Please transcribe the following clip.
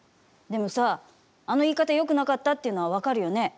でもさ、あの言い方よくなかったっていうのは分かるよね？